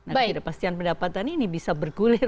nah ketidakpastian pendapatan ini bisa bergulir